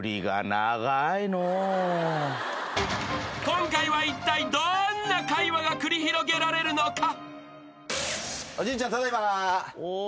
［今回はいったいどんな会話が繰り広げられるのか？］